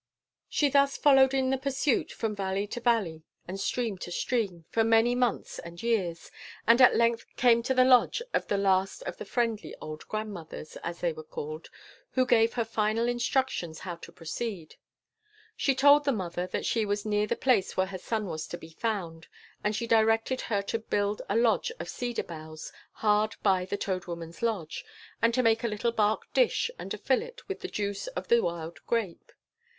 She thus followed in the pursuit, from valley to valley, and stream to stream, for many months and years, and at length came to the lodge of the last of the friendly old grandmothers, as they were called, who gave her final instructions how to proceed. She told the mother that she was near the place where her son was to be found; and she directed her to build a lodge of cedar boughs hard by the old Toad Woman's lodge, and to make a little bark dish, and to fill it with the juice of the wild grape.